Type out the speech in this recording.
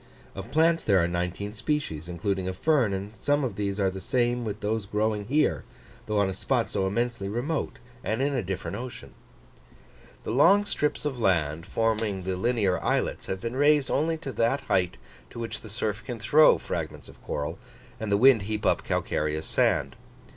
Of plants there are nineteen species, including a fern; and some of these are the same with those growing here, though on a spot so immensely remote, and in a different ocean. The long strips of land, forming the linear islets, have been raised only to that height to which the surf can throw fragments of coral, and the wind heap up calcareous sand.